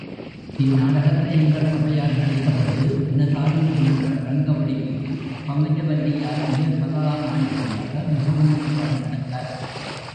இந் நாடகத்தை எங்கள் சபையார் நடித்தபொழுது எனதாருயிர் நண்பர் ரங்கவடிவேலு பங்கஜவல்லியாகிய கதா நாயகியாக மிகவும் நன்றாக நடித்தார்.